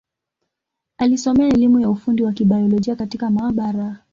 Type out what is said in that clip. Alisomea elimu ya ufundi wa Kibiolojia katika maabara.